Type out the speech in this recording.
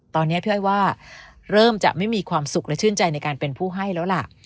ตอนนี้พี่อ้อยว่าเริ่มจะไม่มีความสุขและชื่นใจในการเป็นผู้ให้แล้วล่ะ